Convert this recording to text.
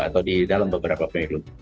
atau di dalam beberapa periru